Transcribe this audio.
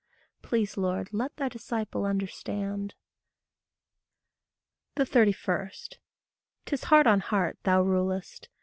Please, Lord, let thy disciple understand. 31. 'Tis heart on heart thou rulest.